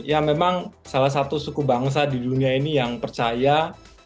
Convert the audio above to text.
ya memang salah satu suku bangsa di dunia ini yang percaya